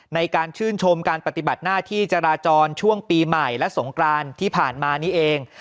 ในการชื่นชมการปฏิบัติหน้าที่จราจรช่วงปีใหม่และสงกรานที่ผ่านมานี้เอง